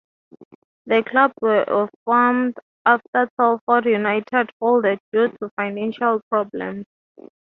The club were formed after Telford United folded due to financial problems.